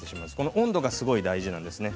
温度がすごい大事なんですね。